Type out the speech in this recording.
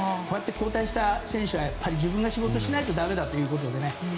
こうやって交代した選手は自分の仕事をしないとだめだということでね。